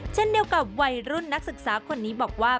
เช่นเดียวกับวัยรุ่นนักศึกษาคนนี้บอกว่า